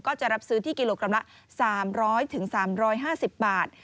ก็จะรับซื้อที่กิโลกรัมละ๓๐๐๓๕๐บาท